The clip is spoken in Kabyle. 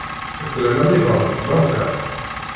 Tlam amiḍan n tbanka?